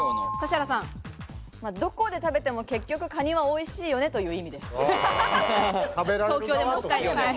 どこで食べても結局蟹にはおいしいよねという意味です。